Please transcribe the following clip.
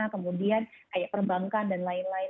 kemudian kayak perbankan dan lain lain